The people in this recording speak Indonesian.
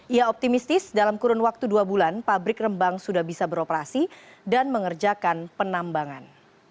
ia optimistis dalam kurun waktu dua bulan pabrik rembang sudah bisa beroperasi dan mengerjakan penambangan